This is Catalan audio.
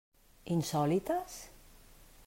Insòlites?